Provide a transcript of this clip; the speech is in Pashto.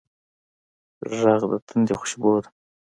غږ د تندي خوشبو ده